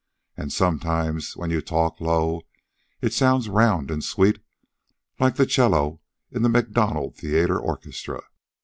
An' sometimes, when you talk low, it sounds round and sweet like the 'cello in the Macdonough Theater orchestra.